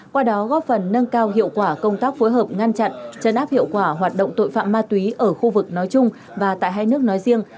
qua đó góp phần nâng cao hiệu quả công tác phối hợp ngăn chặn chấn áp hiệu quả hoạt động tội phạm ma túy ở khu vực nói chung và tại hai nước nói riêng